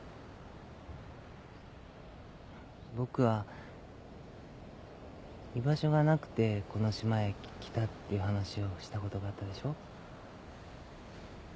僕は居場所がなくてこの島へ来たっていう話をしたことがあったでしょ。